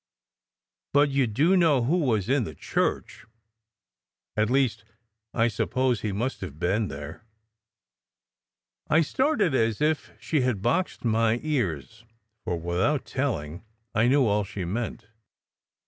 But you do know who was in the church? at least, I suppose he must have been there." I started as if she had boxed my ears, for without telling, I knew all she meant.